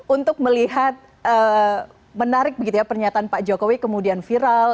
untuk melihat menarik begitu ya pernyataan pak jokowi kemudian viral